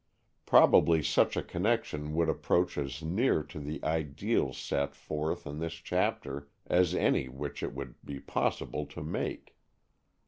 Probably such a connection would approach as near to the ideal set forth in this chapter as any which it would be possible to make.